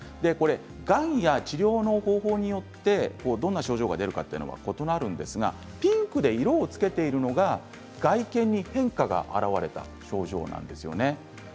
がんや治療の方法によってどんな症状が出るかというのは異なるんですがピンクで色をつけているのが外見に変化が現れた症状なんです。